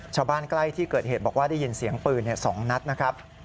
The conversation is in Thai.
ใกล้ที่เกิดเหตุบอกว่าได้ยินเสียงปืน๒นัดนะครับ